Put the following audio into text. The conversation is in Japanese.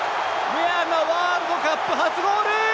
ウェアがワールドカップ初ゴール！